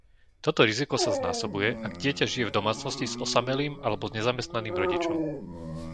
Toto riziko sa znásobuje, ak dieťa žije v domácnosti s osamelým alebo nezamestnaným rodičom.